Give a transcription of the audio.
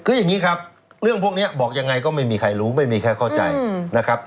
คืออย่างนี้ครับเรื่องพวกนี้บอกยังไงก็ไม่มีใครรู้ไม่มีใครเข้าใจนะครับ